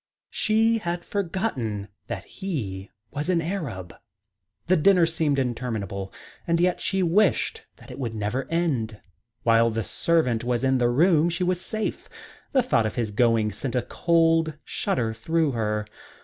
She had forgotten that he was an Arab. The dinner seemed interminable, and yet she wished that it would never end. While the servant was in the room she was safe; the thought of his going sent a cold shudder through her.